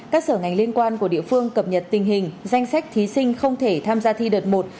các sở ngành liên quan của địa phương cập nhật tình hình danh sách thí sinh không thể tham gia thi đợt một